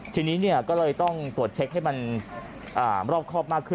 ทีนี้ก็เลยต้องตรวจเช็คให้มันรอบครอบมากขึ้น